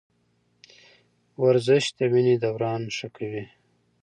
ورزش د وینې دوران ښه کوي.